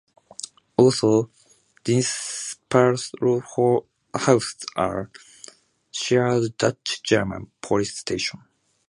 Also, Dinxperlo houses a shared Dutch-German police station.